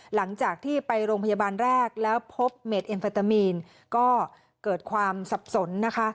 หลังจากที่ไปโรงพยาบาลแรกแล้วพบเมดเอ็มเฟตามีนก็เกิดความสับสนนะคะ